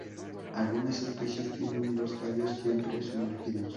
Algunas especies tienen los tallos siempre sumergidos.